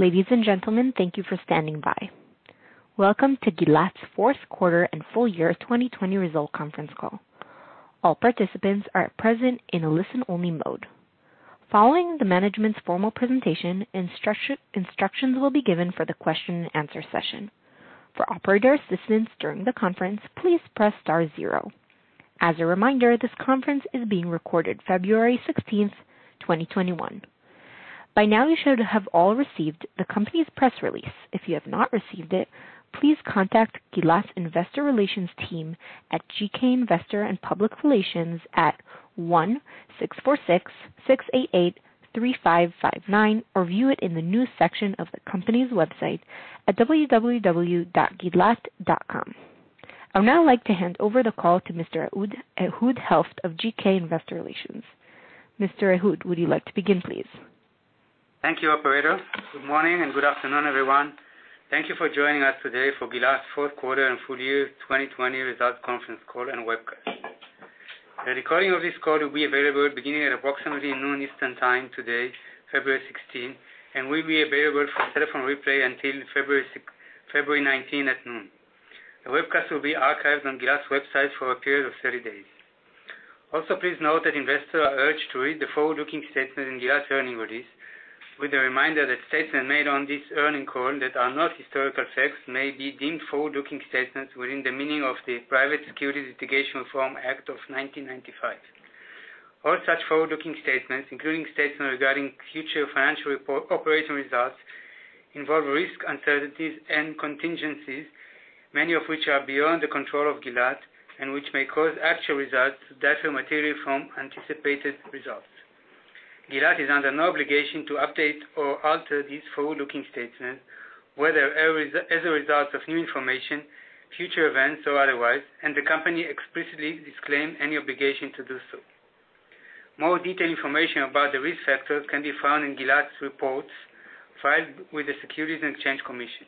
Ladies and gentlemen, thank you for standing by. Welcome to Gilat's Q4 and full year 2020 result conference call. All participants are present in a listen-only mode. Following the management's formal presentation, instructions will be given for the question and answer session. For operator assistance during the conference, please press star zero. As a reminder, this conference is being recorded February 16th, 2021. By now, you should have all received the company's press release. If you have not received it, please contact Gilat's investor relations team at GK Investor & Public Relations at 1-646-688-3559 or view it in the news section of the company's website at www.gilat.com. I'll now like to hand over the call to Mr. Ehud Helft of GK Investor & Public Relations. Mr. Ehud, would you like to begin, please? Thank you, operator. Good morning and good afternoon, everyone. Thank you for joining us today for Gilat's Q4 and full year 2020 results conference call and webcast. A recording of this call will be available beginning at approximately noon Eastern Time today, February 16, and will be available for telephone replay until February 19 at noon. The webcast will be archived on Gilat's website for a period of 30 days. Also, please note that investors are urged to read the forward-looking statements in Gilat's earnings release, with a reminder that statements made on this earnings call that are not historical facts may be deemed forward-looking statements within the meaning of the Private Securities Litigation Reform Act of 1995. All such forward-looking statements, including statements regarding future financial operating results, involve risks, uncertainties, and contingencies, many of which are beyond the control of Gilat and which may cause actual results to differ materially from anticipated results. Gilat is under no obligation to update or alter these forward-looking statements, whether as a result of new information, future events, or otherwise, and the company explicitly disclaims any obligation to do so. More detailed information about the risk factors can be found in Gilat's reports filed with the Securities and Exchange Commission.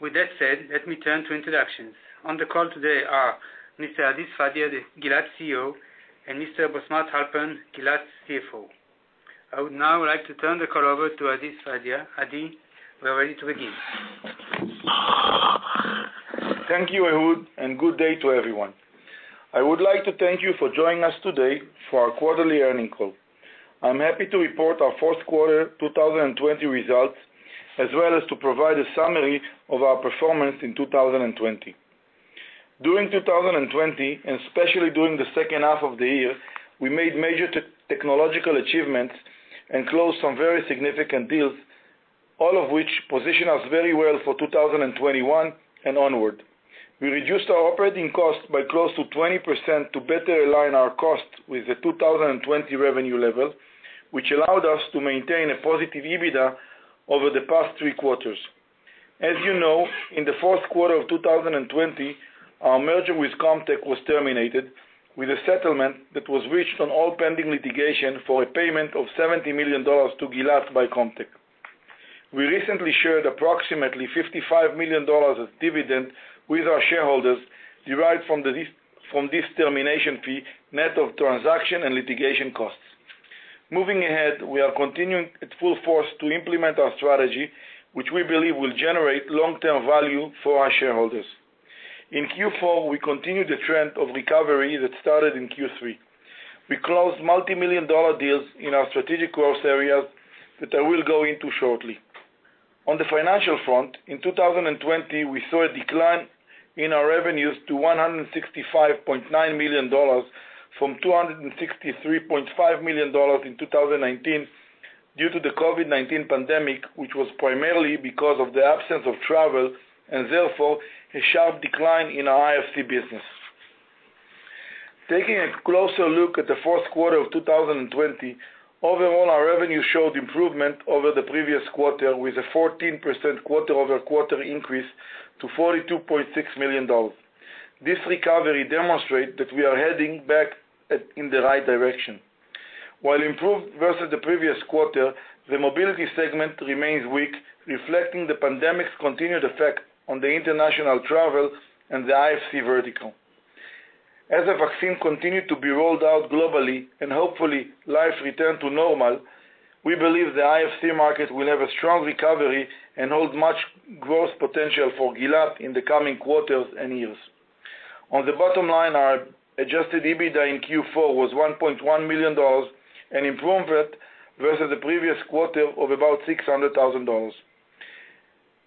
With that said, let me turn to introductions. On the call today are Mr. Adi Sfadia, the Gilat CEO, and Mr. Bosmat Halpern, Gilat's CFO. I would now like to turn the call over to Adi Sfadia. Adi, we're ready to begin. Thank you, Ehud, and good day to everyone. I would like to thank you for joining us today for our quarterly earnings call. I'm happy to report our Q4 2020 results, as well as to provide a summary of our performance in 2020. During 2020, especially during the H2 of the year, we made major technological achievements and closed some very significant deals, all of which position us very well for 2021 and onward. We reduced our operating cost by close to 20% to better align our cost with the 2020 revenue level, which allowed us to maintain a positive EBITDA over the past three quarters. As you know, in the Q4 of 2020, our merger with Comtech was terminated with a settlement that was reached on all pending litigation for a payment of $70 million to Gilat by Comtech. We recently shared approximately $55 million of dividend with our shareholders, derived from this termination fee, net of transaction and litigation costs. Moving ahead, we are continuing at full force to implement our strategy, which we believe will generate long-term value for our shareholders. In Q4, we continued the trend of recovery that started in Q3. We closed multimillion-dollar deals in our strategic growth areas that I will go into shortly. On the financial front, in 2020, we saw a decline in our revenues to $165.9 million from $263.5 million in 2019 due to the COVID-19 pandemic, which was primarily because of the absence of travel, and therefore, a sharp decline in our IFC business. Taking a closer look at the Q4 of 2020, overall, our revenue showed improvement over the previous quarter with a 14% quarter-over-quarter increase to $42.6 million. This recovery demonstrate that we are heading back in the right direction. While improved versus the previous quarter, the mobility segment remains weak, reflecting the pandemic's continued effect on the international travel and the IFC vertical. As the vaccine continued to be rolled out globally and hopefully life return to normal, we believe the IFC market will have a strong recovery and hold much growth potential for Gilat in the coming quarters and years. On the bottom line, our adjusted EBITDA in Q4 was $1.1 million, an improvement versus the previous quarter of about $600,000.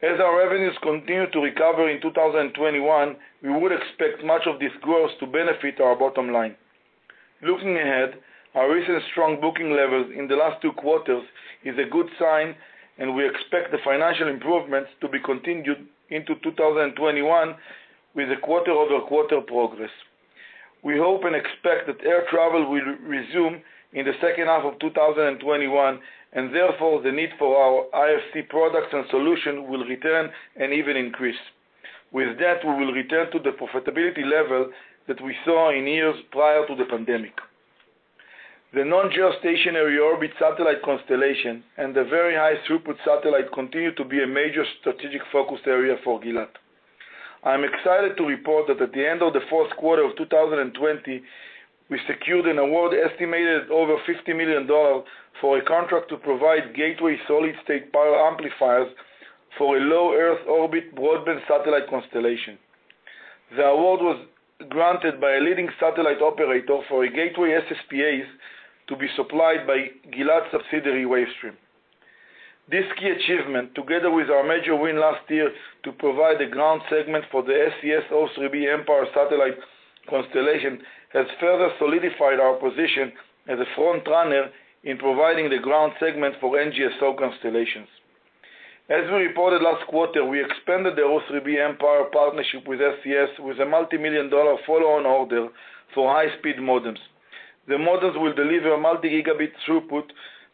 As our revenues continue to recover in 2021, we would expect much of this growth to benefit our bottom line. Looking ahead, our recent strong booking levels in the last two quarters is a good sign, and we expect the financial improvements to be continued into 2021 with a quarter-over-quarter progress. We hope and expect that air travel will resume in the H2 of 2021, and therefore, the need for our IFC products and solution will return and even increase. With that, we will return to the profitability level that we saw in years prior to the pandemic. The non-geostationary orbit satellite constellation and the very high throughput satellite continue to be a major strategic focus area for Gilat. I'm excited to report that at the end of the Q4 of 2020, we secured an award estimated over $50 million for a contract to provide gateway solid-state power amplifiers for a low Earth orbit broadband satellite constellation. The award was granted by a leading satellite operator for gateway SSPAs to be supplied by Gilat subsidiary, Wavestream. This key achievement, together with our major win last year to provide a ground segment for the SES O3b mPOWER satellite constellation, has further solidified our position as a frontrunner in providing the ground segment for NGSO constellations. As we reported last quarter, we expanded the O3b mPOWER partnership with SES with a multimillion-dollar follow-on order for high-speed modems. The modems will deliver multi-gigabit throughput,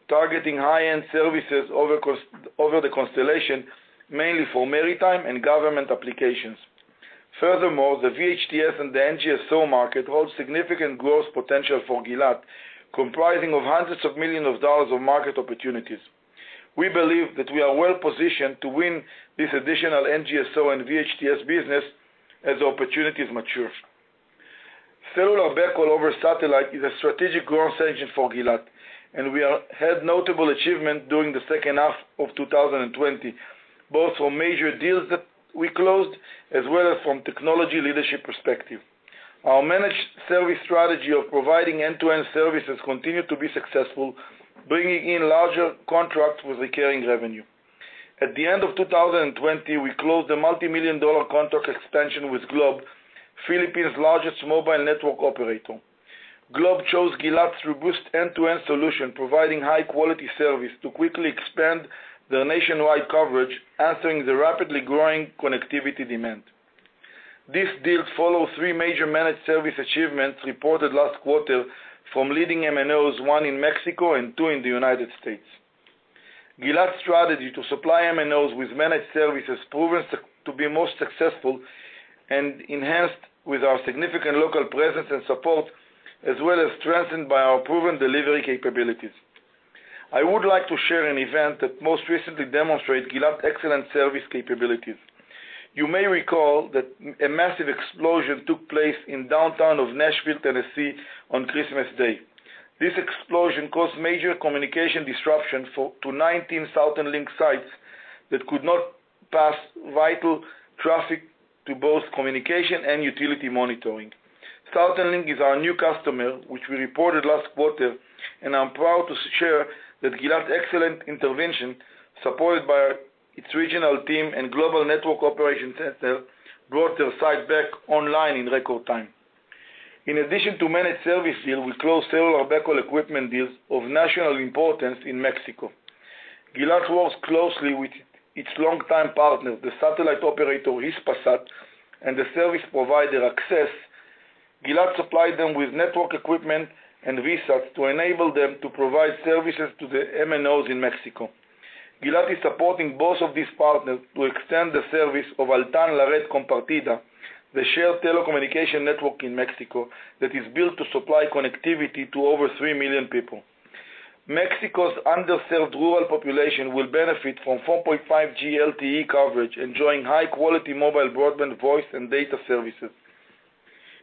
targeting high-end services over the constellation, mainly for maritime and government applications. Furthermore, the VHTS and the NGSO market hold significant growth potential for Gilat, comprising of hundreds of millions of dollars of market opportunities. We believe that we are well positioned to win this additional NGSO and VHTS business as opportunities mature. Cellular backhaul over satellite is a strategic growth engine for Gilat, and we had notable achievement during the H2 of 2020, both for major deals that we closed, as well as from technology leadership perspective. Our managed service strategy of providing end-to-end services continued to be successful, bringing in larger contracts with recurring revenue. At the end of 2020, we closed a multimillion-dollar contract expansion with Globe, Philippines' largest mobile network operator. Globe chose Gilat's robust end-to-end solution, providing high quality service to quickly expand their nationwide coverage, answering the rapidly growing connectivity demand. This deal follows three major managed service achievements reported last quarter from leading MNOs, one in Mexico and two in the United States. Gilat's strategy to supply MNOs with managed services proven to be most successful and enhanced with our significant local presence and support, as well as strengthened by our proven delivery capabilities. I would like to share an event that most recently demonstrate Gilat excellent service capabilities. You may recall that a massive explosion took place in downtown of Nashville, Tennessee on Christmas Day. This explosion caused major communication disruption to 19 Southern Linc sites that could not pass vital traffic to both communication and utility monitoring. Southern Linc is our new customer, which we reported last quarter, and I'm proud to share that Gilat's excellent intervention, supported by its regional team and global network operation center, brought their site back online in record time. In addition to managed service deals, we closed cellular backhaul equipment deals of national importance in Mexico. Gilat works closely with its long-time partner, the satellite operator Hispasat, and the service provider AXESS. Gilat supplied them with network equipment and VSATs to enable them to provide services to the MNOs in Mexico. Gilat is supporting both of these partners to extend the service of Altán La Red Compartida, the shared telecommunication network in Mexico that is built to supply connectivity to over 3 million people. Mexico's underserved rural population will benefit from 4.5G LTE coverage, enjoying high-quality mobile broadband voice and data services.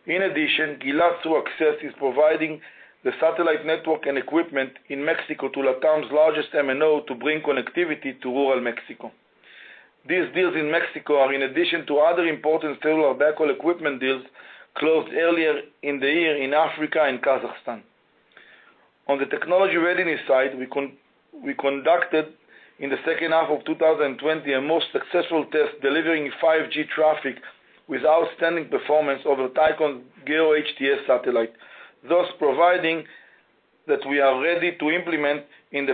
In addition, Gilat, through AXESS, is providing the satellite network and equipment in Mexico to Altán's largest MNO to bring connectivity to rural Mexico. These deals in Mexico are in addition to other important cellular backhaul equipment deals closed earlier in the year in Africa and Kazakhstan. On the technology readiness side, we conducted in the H2 of 2020, a most successful test delivering 5G traffic with outstanding performance over Thaicom GEO HTS satellite, thus providing that we are ready to implementation in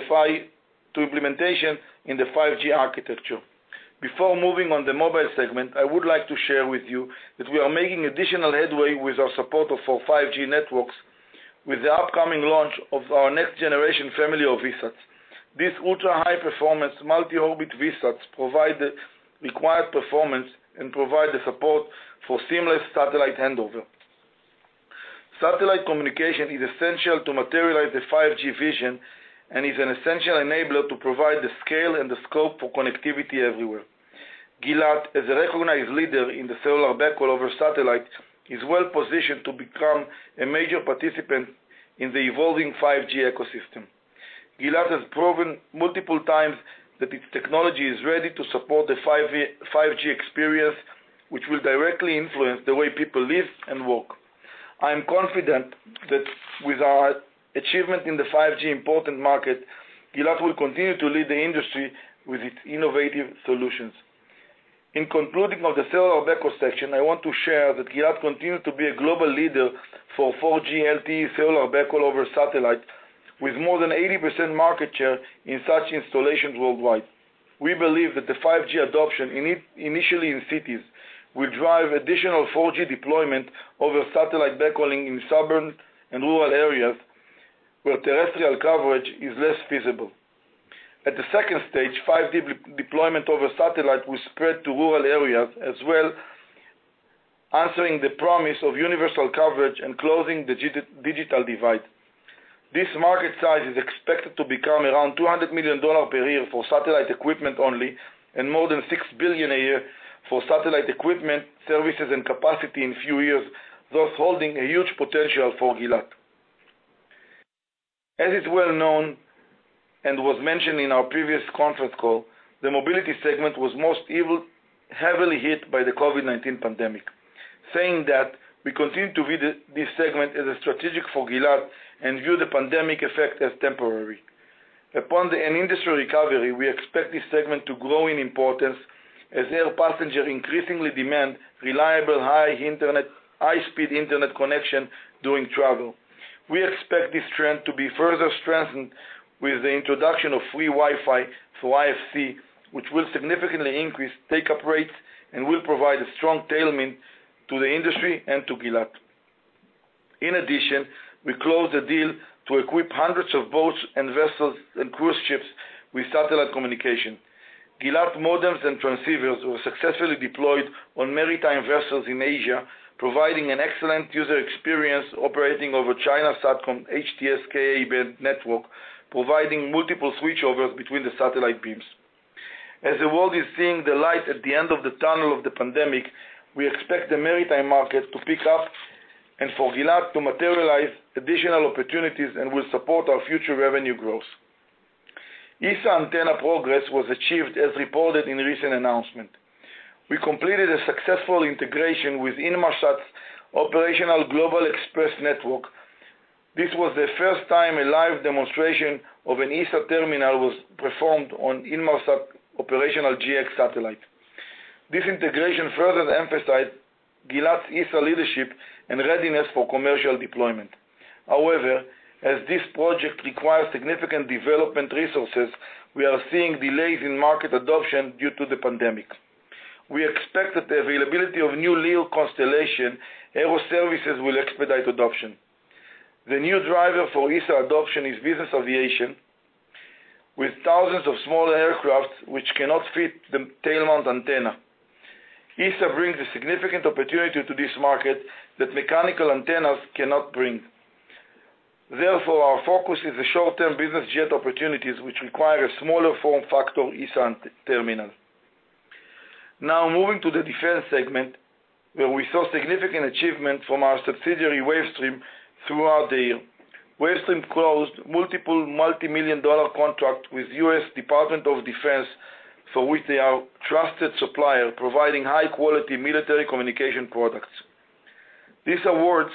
the 5G architecture. Before moving on the mobile segment, I would like to share with you that we are making additional headway with our support for 5G networks with the upcoming launch of our next generation family of VSATs. These ultra-high performance multi-orbit VSATs provide the required performance and provide the support for seamless satellite handover. Satellite communication is essential to materialize the 5G vision and is an essential enabler to provide the scale and the scope for connectivity everywhere. Gilat, as a recognized leader in the cellular backhaul over satellite, is well positioned to become a major participant in the evolving 5G ecosystem. Gilat has proven multiple times that its technology is ready to support the 5G experience, which will directly influence the way people live and work. I'm confident that with our achievement in the 5G important market, Gilat will continue to lead the industry with its innovative solutions. In concluding of the cellular backhaul section, I want to share that Gilat continues to be a global leader for 4G LTE cellular backhaul over satellite, with more than 80% market share in such installations worldwide. We believe that the 5G adoption initially in cities will drive additional 4G deployment over satellite backhauling in suburban and rural areas where terrestrial coverage is less feasible. At the second stage, 5G deployment over satellite will spread to rural areas as well, answering the promise of universal coverage and closing the digital divide. This market size is expected to become around $200 million per year for satellite equipment only, and more than $6 billion a year for satellite equipment, services, and capacity in few years, thus holding a huge potential for Gilat. As is well known, and was mentioned in our previous conference call, the mobility segment was most heavily hit by the COVID-19 pandemic. Saying that, we continue to view this segment as strategic for Gilat and view the pandemic effect as temporary. Upon an industry recovery, we expect this segment to grow in importance as air passengers increasingly demand reliable, high-speed internet connection during travel. We expect this trend to be further strengthened with the introduction of free Wi-Fi for IFC, which will significantly increase take-up rates and will provide a strong tailwind to the industry and to Gilat. In addition, we closed a deal to equip hundreds of boats and vessels and cruise ships with satellite communication. Gilat modems and transceivers were successfully deployed on maritime vessels in Asia, providing an excellent user experience operating over China Satcom HTS Ka-band network, providing multiple switchovers between the satellite beams. As the world is seeing the light at the end of the tunnel of the pandemic, we expect the maritime market to pick up and for Gilat to materialize additional opportunities and will support our future revenue growth. ESA antenna progress was achieved as reported in recent announcement. We completed a successful integration with Inmarsat's operational Global Xpress network. This was the first time a live demonstration of an ESA terminal was performed on Inmarsat operational GX satellite. This integration further emphasized Gilat's ESA leadership and readiness for commercial deployment. However, as this project requires significant development resources, we are seeing delays in market adoption due to the pandemic. We expect that the availability of new LEO constellation aero services will expedite adoption. The new driver for ESA adoption is business aviation, with thousands of smaller aircraft which cannot fit the tail-mount antenna. ESA brings a significant opportunity to this market that mechanical antennas cannot bring. Our focus is the short-term business jet opportunities, which require a smaller form factor ESA terminal. Moving to the defense segment, where we saw significant achievement from our subsidiary, Wavestream, throughout the year. Wavestream closed multiple multimillion-dollar contract with U.S. Department of Defense, for which they are trusted supplier, providing high-quality military communication products. These awards,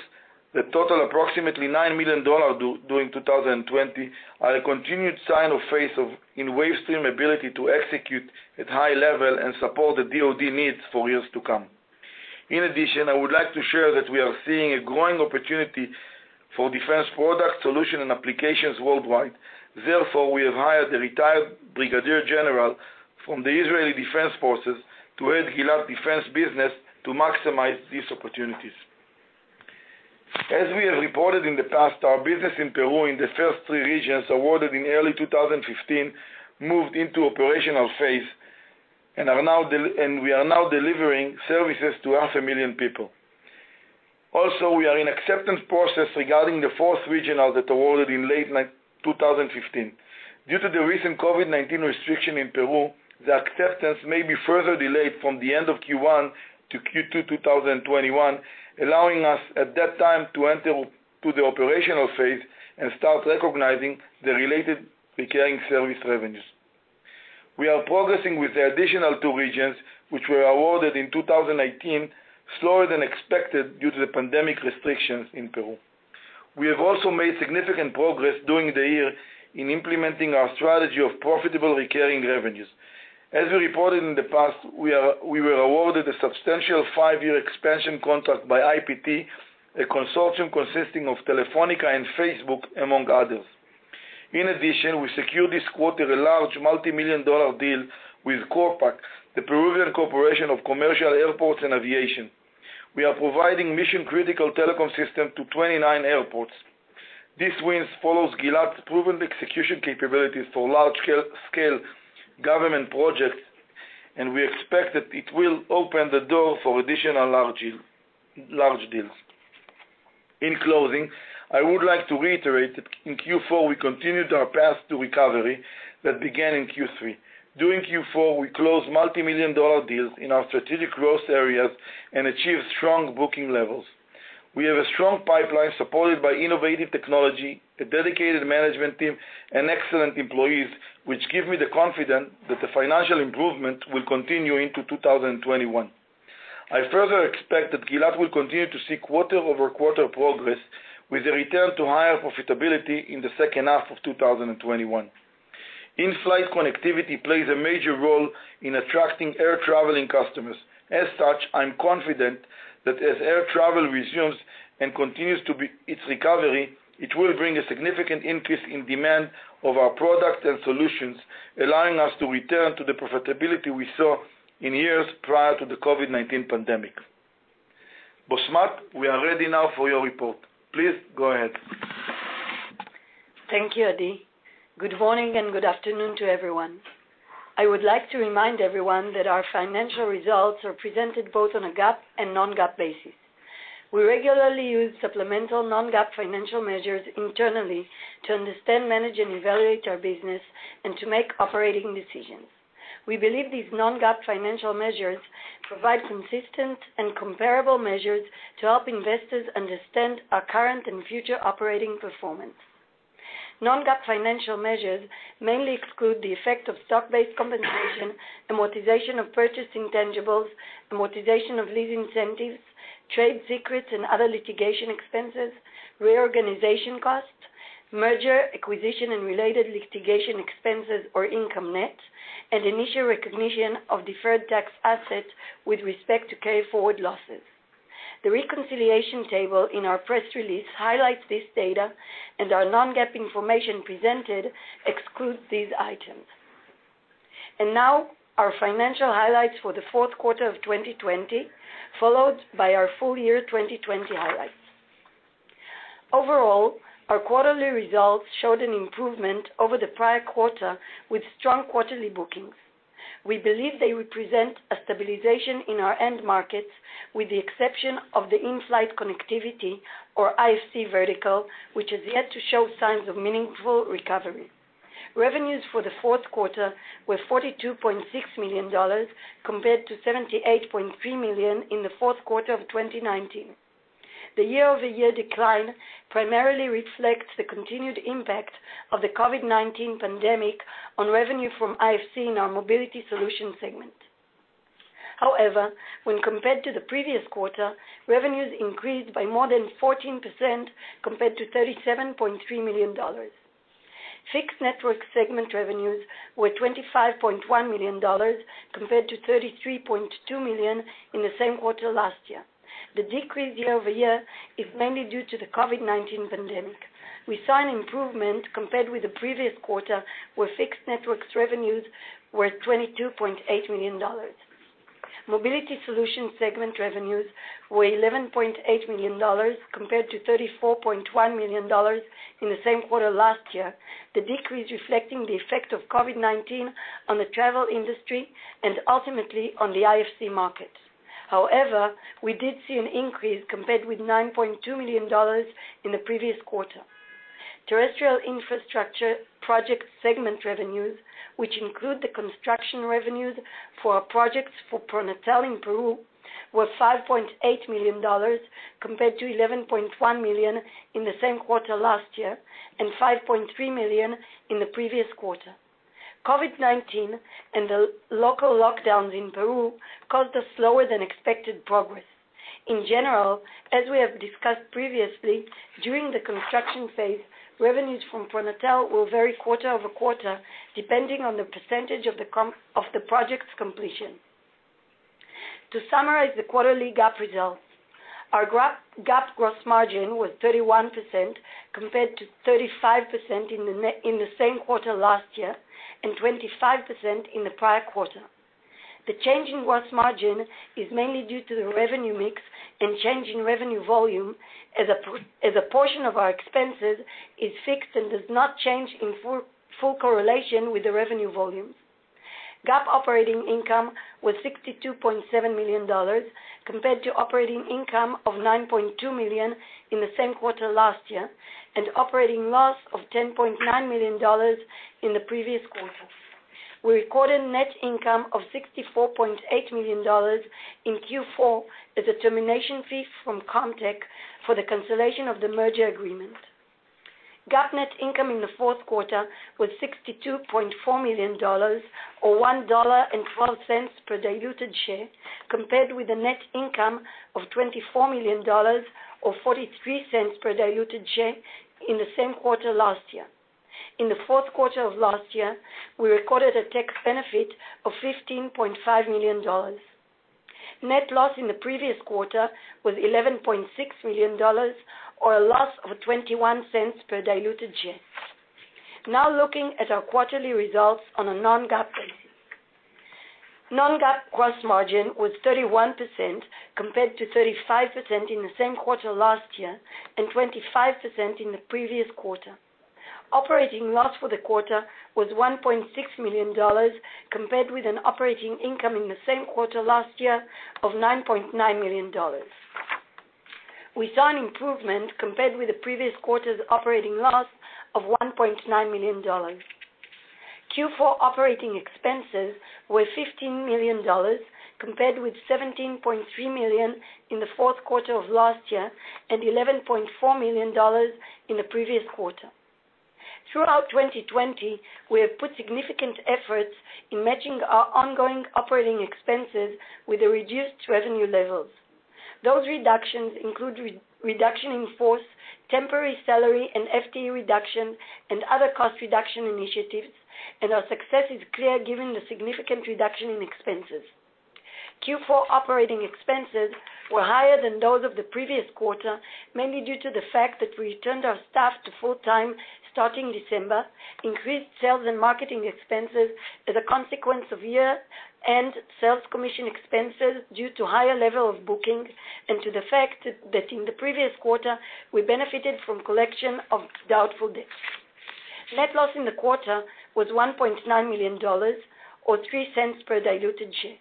that total approximately $9 million during 2020, are a continued sign of faith in Wavestream ability to execute at high level and support the DoD needs for years to come. I would like to share that we are seeing a growing opportunity for defense product solution and applications worldwide. We have hired a retired brigadier general from the Israel Defense Forces to head Gilat defense business to maximize these opportunities. As we have reported in the past, our business in Peru in the first three regions awarded in early 2015, moved into operational phase, and we are now delivering services to 500,000 people. We are in acceptance process regarding the fourth region that awarded in late 2015. Due to the recent COVID-19 restriction in Peru, the acceptance may be further delayed from the end of Q1 to Q2 2021, allowing us at that time to enter to the operational phase and start recognizing the related recurring service revenues. We are progressing with the additional two regions which were awarded in 2018, slower than expected due to the pandemic restrictions in Peru. We have also made significant progress during the year in implementing our strategy of profitable recurring revenues. As we reported in the past, we were awarded a substantial five-year expansion contract by IPT, a consortium consisting of Telefónica and Facebook, among others. In addition, we secured this quarter a large multimillion-dollar deal with CORPAC, the Peruvian Corporation of Commercial Airports and Aviation. We are providing mission-critical telecom system to 29 airports. This win follows Gilat's proven execution capabilities for large-scale government projects, and we expect that it will open the door for additional large deals. In closing, I would like to reiterate that in Q4, we continued our path to recovery that began in Q3. During Q4, we closed multimillion-dollar deals in our strategic growth areas and achieved strong booking levels. We have a strong pipeline supported by innovative technology, a dedicated management team, and excellent employees, which give me the confidence that the financial improvement will continue into 2021. I further expect that Gilat will continue to see quarter-over-quarter progress with a return to higher profitability in the H2 of 2021. In-flight connectivity plays a major role in attracting air traveling customers. As such, I'm confident that as air travel resumes and continues its recovery, it will bring a significant increase in demand of our products and solutions, allowing us to return to the profitability we saw in years prior to the COVID-19 pandemic. Bosmat, we are ready now for your report. Please go ahead. Thank you, Adi. Good morning and good afternoon to everyone. I would like to remind everyone that our financial results are presented both on a GAAP and non-GAAP basis. We regularly use supplemental non-GAAP financial measures internally to understand, manage, and evaluate our business and to make operating decisions. We believe these non-GAAP financial measures provide consistent and comparable measures to help investors understand our current and future operating performance. Non-GAAP financial measures mainly exclude the effect of stock-based compensation, amortization of purchased intangibles, amortization of lease incentives, trade secrets and other litigation expenses, reorganization costs, merger, acquisition, and related litigation expenses or income net, and initial recognition of deferred tax assets with respect to carryforward losses. The reconciliation table in our press release highlights this data. Our non-GAAP information presented excludes these items. Now, our financial highlights for the Q4 of 2020, followed by our full year 2020 highlights. Overall, our quarterly results showed an improvement over the prior quarter with strong quarterly bookings. We believe they represent a stabilization in our end markets, with the exception of the in-flight connectivity or IFC vertical, which is yet to show signs of meaningful recovery. Revenues for the Q4 were $42.6 million, compared to $78.3 million in the Q4 of 2019. The year-over-year decline primarily reflects the continued impact of the COVID-19 pandemic on revenue from IFC in our Mobility Solution segment. When compared to the previous quarter, revenues increased by more than 14% compared to $37.3 million. Fixed Network segment revenues were $25.1 million, compared to $33.2 million in the same quarter last year. The decrease year-over-year is mainly due to the COVID-19 pandemic. We saw an improvement compared with the previous quarter, where Fixed Networks revenues were $22.3 million. Mobility Solution segment revenues were $11.8 million compared to $34.1 million in the same quarter last year. The decrease reflecting the effect of COVID-19 on the travel industry and ultimately on the IFC market. We did see an increase compared with $9.2 million in the previous quarter. Terrestrial Infrastructure Project segment revenues, which include the construction revenues for our projects for Pronatel in Peru, were $5.8 million compared to $11.1 million in the same quarter last year and $5.3 million in the previous quarter. COVID-19 and the local lockdowns in Peru caused a slower than expected progress. As we have discussed previously, during the construction phase, revenues from Pronatel will vary quarter-over-quarter, depending on the percentage of the project's completion. To summarize the quarterly GAAP results, our GAAP gross margin was 31% compared to 35% in the same quarter last year and 25% in the prior quarter. The change in gross margin is mainly due to the revenue mix and change in revenue volume as a portion of our expenses is fixed and does not change in full correlation with the revenue volume. GAAP operating income was $62.7 million compared to operating income of $9.2 million in the same quarter last year and operating loss of $10.9 million in the previous quarter. We recorded net income of $64.8 million in Q4 as a termination fee from Comtech for the cancellation of the merger agreement. GAAP net income in the Q4 was $62.4 million, or $1.12 per diluted share, compared with a net income of $24 million or $0.43 per diluted share in the same quarter last year. In the Q4 of last year, we recorded a tax benefit of $15.5 million. Net loss in the previous quarter was $11.6 million, or a loss of $0.21 per diluted share. Looking at our quarterly results on a non-GAAP basis. Non-GAAP gross margin was 31% compared to 35% in the same quarter last year and 25% in the previous quarter. Operating loss for the quarter was $1.6 million, compared with an operating income in the same quarter last year of $9.9 million. We saw an improvement compared with the previous quarter's operating loss of $1.9 million. Q4 operating expenses were $15 million, compared with $17.3 million in the Q4 of last year and $11.4 million in the previous quarter. Throughout 2020, we have put significant efforts in matching our ongoing operating expenses with the reduced revenue levels. Those reductions include reduction in force, temporary salary, and FTE reduction, and other cost reduction initiatives, and our success is clear given the significant reduction in expenses. Q4 operating expenses were higher than those of the previous quarter, mainly due to the fact that we returned our staff to full-time starting December, increased sales and marketing expenses as a consequence of year-end sales commission expenses due to higher level of bookings and to the fact that in the previous quarter, we benefited from collection of doubtful debts. Net loss in the quarter was $1.9 million, or $0.03 per diluted share.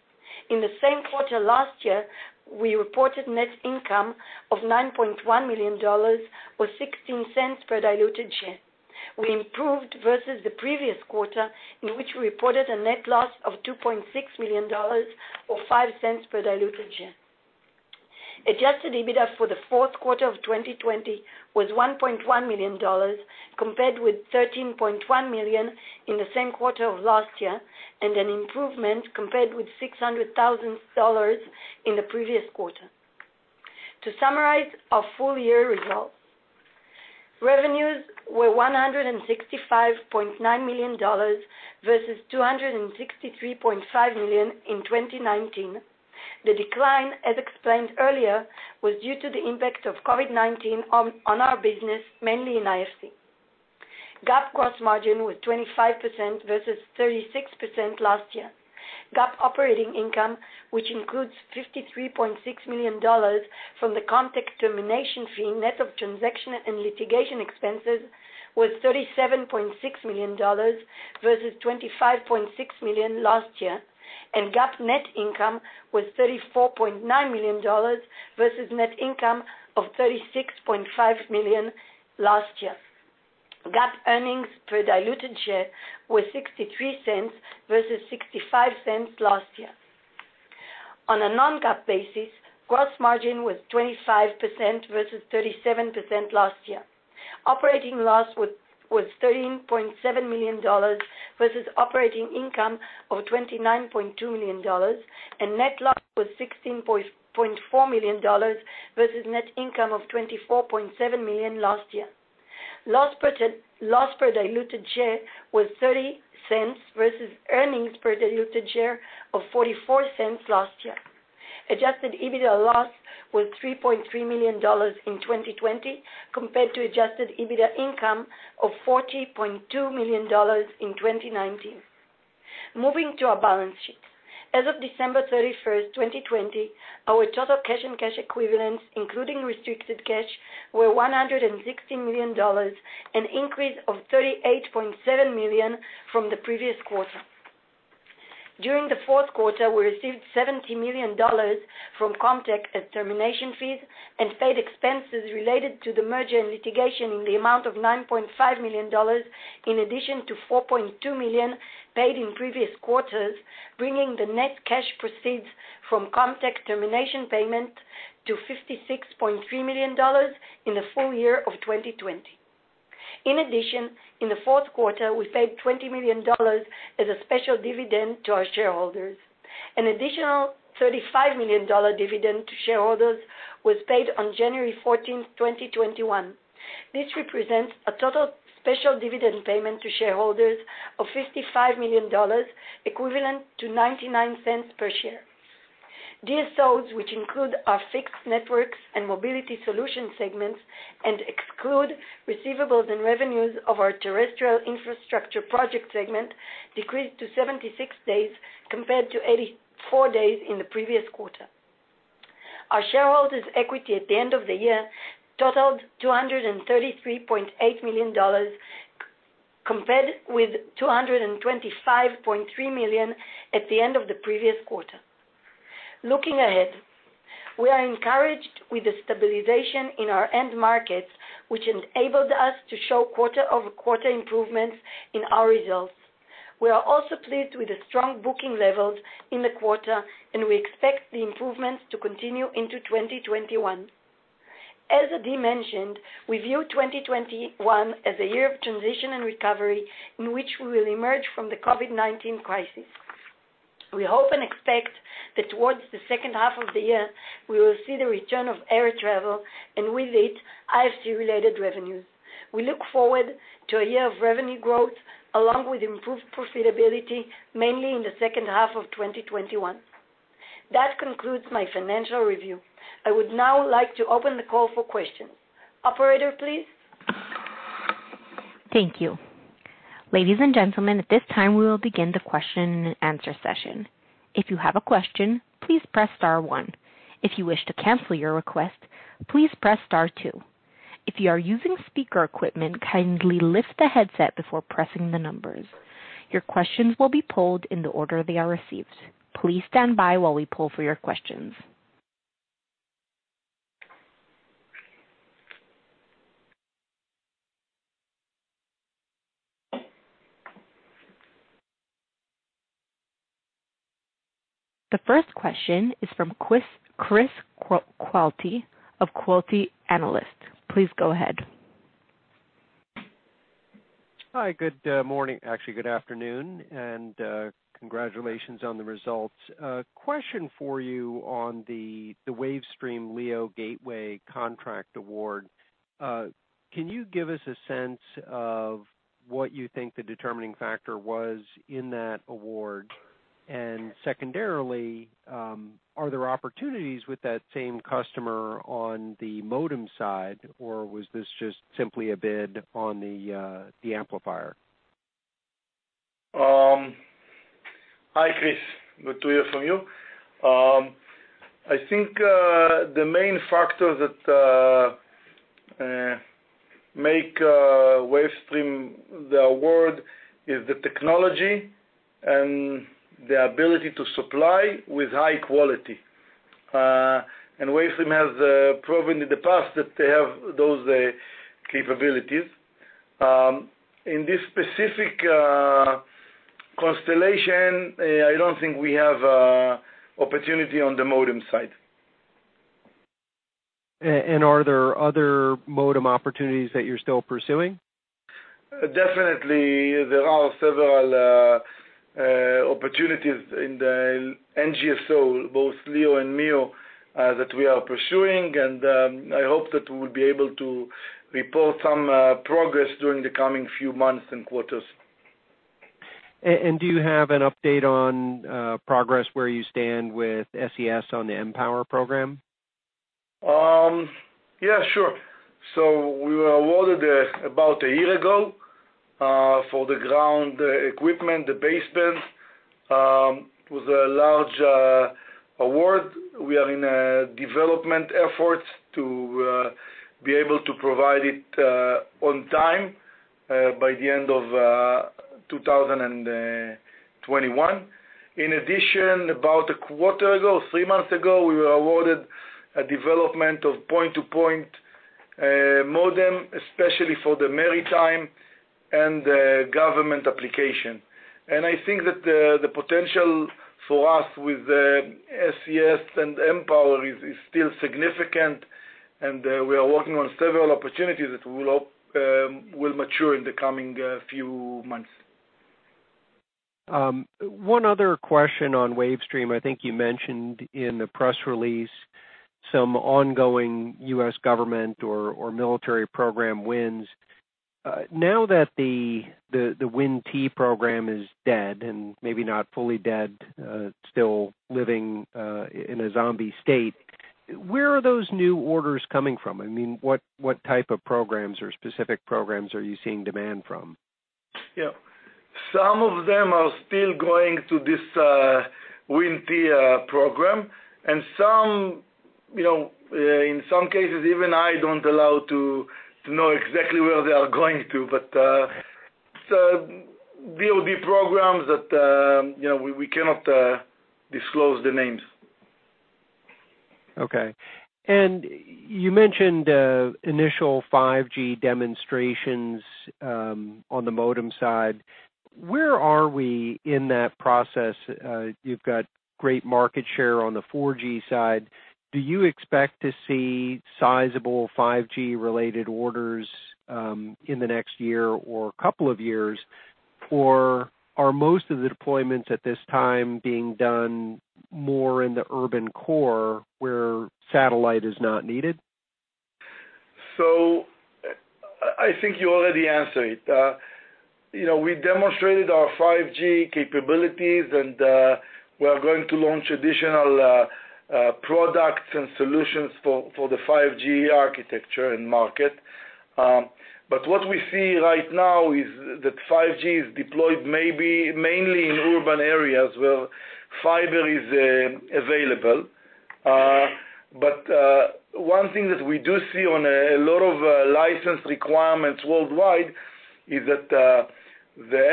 In the same quarter last year, we reported net income of $9.1 million, or $0.16 per diluted share. We improved versus the previous quarter, in which we reported a net loss of $2.6 million, or $0.05 per diluted share. Adjusted EBITDA for the Q4 of 2020 was $1.1 million, compared with $13.1 million in the same quarter of last year, and an improvement compared with $600,000 in the previous quarter. To summarize our full year results, revenues were $165.9 million versus $263.5 million in 2019. The decline, as explained earlier, was due to the impact of COVID-19 on our business, mainly in IFC. GAAP gross margin was 25% versus 36% last year. GAAP operating income, which includes $53.6 million from the Comtech termination fee net of transaction and litigation expenses, was $37.6 million versus $25.6 million last year. GAAP net income was $34.9 million versus net income of $36.5 million last year. GAAP earnings per diluted share were $0.63 versus $0.65 last year. On a non-GAAP basis, gross margin was 25% versus 37% last year. Operating loss was $13.7 million versus operating income of $29.2 million. Net loss was $16.4 million versus net income of $24.7 million last year. Loss per diluted share was $0.30 versus earnings per diluted share of $0.44 last year. Adjusted EBITDA loss was $3.3 million in 2020 compared to adjusted EBITDA income of $40.2 million in 2019. Moving to our balance sheet. As of December 31st, 2020, our total cash and cash equivalents, including restricted cash, were $160 million, an increase of $38.7 million from the previous quarter. During the Q4, we received $70 million from Comtech as termination fees and paid expenses related to the merger and litigation in the amount of $9.5 million, in addition to $4.2 million paid in previous quarters, bringing the net cash proceeds from Comtech termination payment to $56.3 million in the full year of 2020. In addition, in the Q4, we paid $20 million as a special dividend to our shareholders. An additional $35 million dividend to shareholders was paid on January 14th, 2021. This represents a total special dividend payment to shareholders of $55 million, equivalent to $0.99 per share. DSOs, which include our fixed networks and mobility solution segments and exclude receivables and revenues of our terrestrial infrastructure project segment, decreased to 76 days compared to 84 days in the previous quarter. Our shareholders' equity at the end of the year totaled $233.8 million compared with $225.3 million at the end of the previous quarter. Looking ahead, we are encouraged with the stabilization in our end markets, which enabled us to show quarter-over-quarter improvements in our results. We are also pleased with the strong booking levels in the quarter, and we expect the improvements to continue into 2021. As Adi mentioned, we view 2021 as a year of transition and recovery in which we will emerge from the COVID-19 crisis. We hope and expect that towards the H2 of the year, we will see the return of air travel, and with it, IFC-related revenues. We look forward to a year of revenue growth along with improved profitability, mainly in the H2 of 2021. That concludes my financial review. I would now like to open the call for questions. Operator, please. Thank you. Ladies and gentlemen, at this time, we will begin the question and answer session. If you have a question, please press star one. If you wish to cancel your request, please press star two. If you are using speaker equipment, kindly lift the headset before pressing the numbers. Your questions will be polled in the order they are received. Please stand by while we poll for your questions. The first question is from Chris Quilty of Quilty Analytics. Please go ahead. Hi, good morning. Actually, good afternoon, and congratulations on the results. A question for you on the Wavestream LEO Gateway contract award. Can you give us a sense of what you think the determining factor was in that award? Secondarily, are there opportunities with that same customer on the modem side, or was this just simply a bid on the amplifier? Hi, Chris. Good to hear from you. I think the main factor that make Wavestream the award is the technology and the ability to supply with high quality. Wavestream has proven in the past that they have those capabilities. In this specific constellation, I don't think we have opportunity on the modem side. Are there other modem opportunities that you're still pursuing? Definitely, there are several opportunities in the NGSO, both LEO and MEO, that we are pursuing, and I hope that we will be able to report some progress during the coming few months and quarters. Do you have an update on progress where you stand with SES on the mPOWER program? Yeah, sure. We were awarded about one year ago for the ground equipment, the baseband, with a large award. We are in a development effort to be able to provide it on time by the end of 2021. In addition, about a quarter ago, three months ago, we were awarded a development of point-to-point modem, especially for the maritime and government application. I think that the potential for us with SES and mPOWER is still significant, and we are working on several opportunities that will mature in the coming few months. One other question on Wavestream. I think you mentioned in the press release some ongoing U.S. government or military program wins. Now that the WIN-T program is dead and maybe not fully dead, still living in a zombie state, where are those new orders coming from? What type of programs or specific programs are you seeing demand from? Yeah. Some of them are still going to this WIN-T program, and in some cases, even I don't allow to know exactly where they are going to, but it's DoD programs that we cannot disclose the names. Okay. You mentioned initial 5G demonstrations on the modem side. Where are we in that process? You've got great market share on the 4G side. Do you expect to see sizable 5G-related orders in the next year or couple of years? Are most of the deployments at this time being done more in the urban core where satellite is not needed? I think you already answered it. We demonstrated our 5G capabilities, and we are going to launch additional products and solutions for the 5G architecture and market. What we see right now is that 5G is deployed maybe mainly in urban areas where fiber is available. One thing that we do see on a lot of license requirements worldwide is that the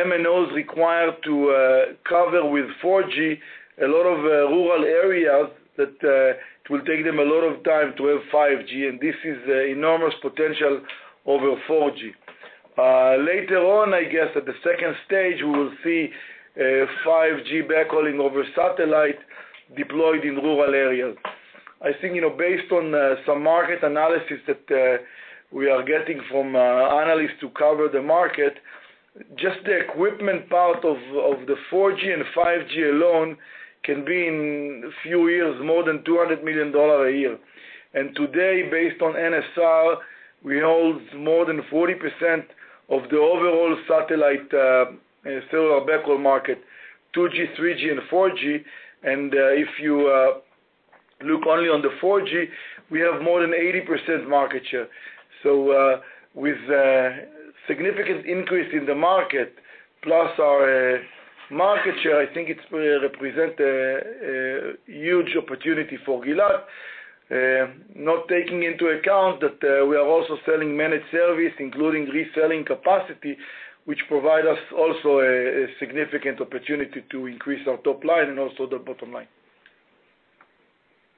MNOs require to cover with 4G a lot of rural areas that it will take them a lot of time to have 5G, and this is enormous potential over 4G. Later on, I guess at the second stage, we will see 5G backhauling over satellite deployed in rural areas. I think, based on some market analysis that we are getting from analysts who cover the market, just the equipment part of the 4G and 5G alone can be in a few years, more than $200 million a year. Today, based on NSR, we hold more than 40% of the overall satellite cellular backhaul market, 2G, 3G, and 4G. If you look only on the 4G, we have more than 80% market share. With a significant increase in the market, plus our market share, I think it represent a huge opportunity for Gilat, not taking into account that we are also selling managed service, including reselling capacity, which provide us also a significant opportunity to increase our top line and also the bottom line.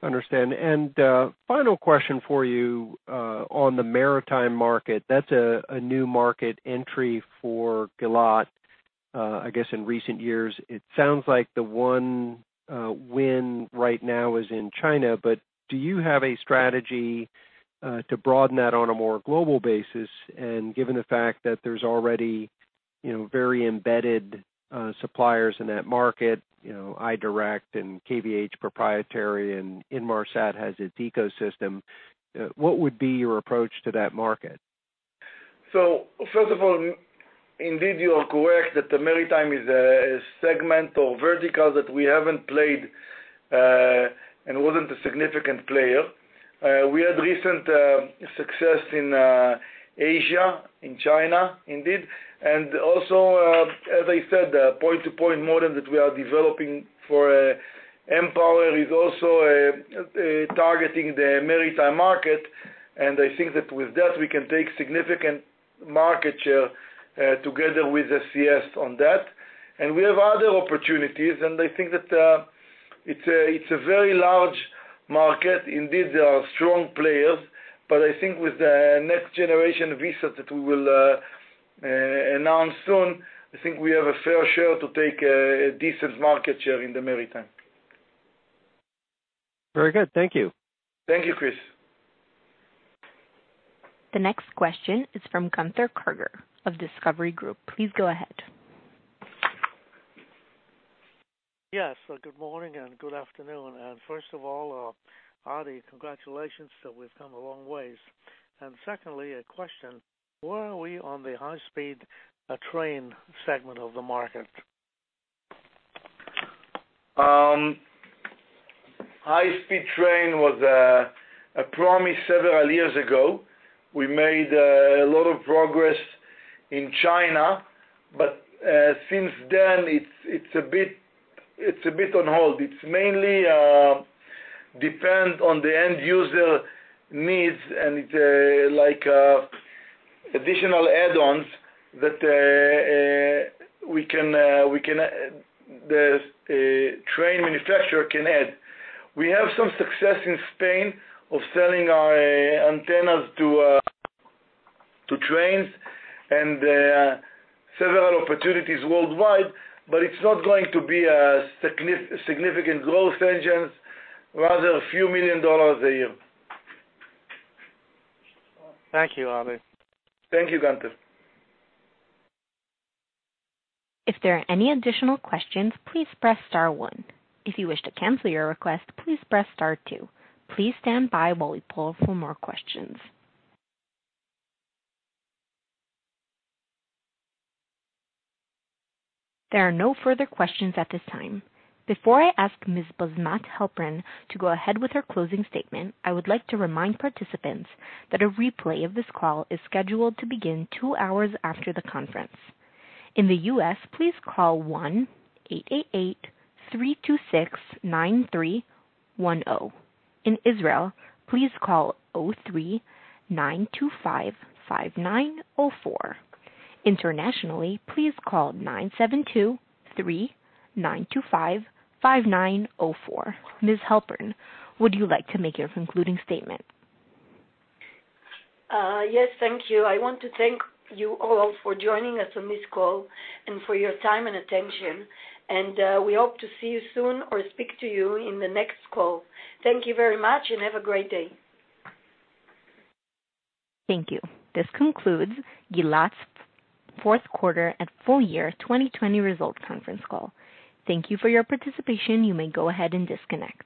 Understand. Final question for you on the maritime market. That's a new market entry for Gilat, I guess, in recent years. It sounds like the one win right now is in China, but do you have a strategy to broaden that on a more global basis? Given the fact that there's already very embedded suppliers in that market, iDirect and KVH Proprietary and Inmarsat has its ecosystem, what would be your approach to that market? First of all, indeed, you are correct that the maritime is a segment or vertical that we haven't played and wasn't a significant player. We had recent success in Asia, in China, indeed, and also, as I said, the point-to-point model that we are developing for O3b mPOWER is also targeting the maritime market, and I think that with that we can take significant market share together with SES on that. We have other opportunities, and I think that it's a very large market. Indeed, there are strong players, but I think with the next generation VSAT that we will announce soon, I think we have a fair share to take a decent market share in the maritime. Very good. Thank you. Thank you, Chris. The next question is from Gunther Karger of Discovery Group. Please go ahead. Yes. Good morning and good afternoon. First of all, Adi, congratulations, so we've come a long way. Secondly, a question, where are we on the high-speed train segment of the market? High-speed train was a promise several years ago. We made a lot of progress in China. Since then it's a bit on hold. It mainly depends on the end user needs and it's like additional add-ons that the train manufacturer can add. We have some success in Spain of selling our antennas to trains and several opportunities worldwide. It's not going to be a significant growth engine, rather a few million dollars a year. Thank you, Adi. Thank you, Gunther. Before I ask Ms. Bosmat Halpern to go ahead with her closing statement, I would like to remind participants that a replay of this call is scheduled to begin two hours after the conference. In the U.S., please call 1-888-326-9310. In Israel, please call 03-925-5904. Internationally, please call 972-3-925-5904. Ms Halpern, would you like to make a concluding statement? Yes. Thank you. I want to thank you all for joining us on this call and for your time and attention, and we hope to see you soon or speak to you in the next call. Thank you very much and have a great day. Thank you. This concludes Gilat's Q4 and full year 2020 results conference call. Thank you for your participation. You may go ahead and disconnect.